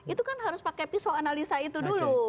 itu kan harus pakai pisau analisa itu dulu